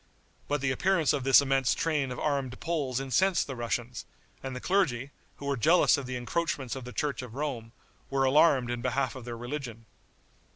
But the appearance of this immense train of armed Poles incensed the Russians; and the clergy, who were jealous of the encroachments of the church of Rome, were alarmed in behalf of their religion.